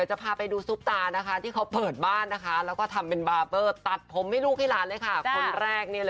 จุดผิดตราดไม่ได้